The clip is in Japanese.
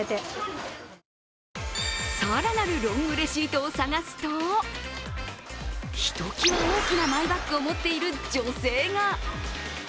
更なるロングレシートを探すと、ひときわ大きなマイバッグを持っている女性が。